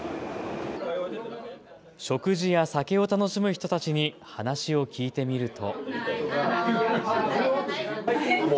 食事や酒を楽しむ人たちに話を聞いてみると。